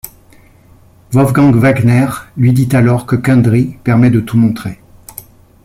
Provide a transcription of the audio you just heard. Wolfgang Wagner lui dit alors que Kundry permet de tout montrer.